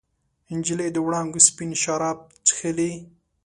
نجلۍ د وړانګو سپین شراب چښلي